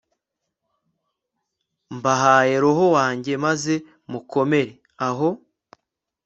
r/ mbahaye roho wanjye maze mukomere, aho